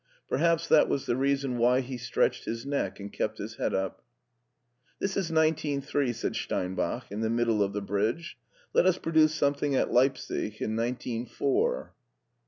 Perhaps that was the reason why he stretched his neck and kept his head up. ''This is nineteen^three,'' said Steinbacb, in the middle of the bridge; ''let us produce scxnething at Leipsic in nineteen four."